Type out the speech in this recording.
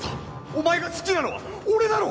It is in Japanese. お前が好きなのは俺だろ！